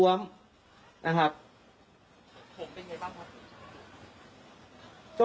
ผมเป็นยังไงบ้างครับ